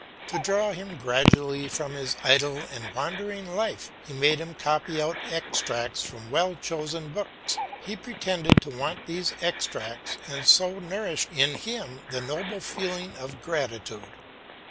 To draw him gradually from his idle and wandering life, he made him copy out extracts from well chosen books; he pretended to want these extracts, and so nourished in him the noble feeling of gratitude.